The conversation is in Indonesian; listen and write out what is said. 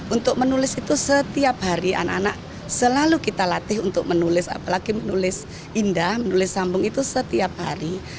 untuk menulis itu setiap hari anak anak selalu kita latih untuk menulis apalagi menulis indah menulis sambung itu setiap hari